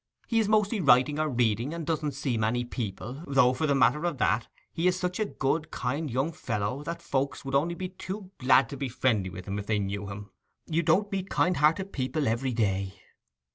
He is mostly writing or reading, and doesn't see many people, though, for the matter of that, he is such a good, kind young fellow that folks would only be too glad to be friendly with him if they knew him. You don't meet kind hearted people every day.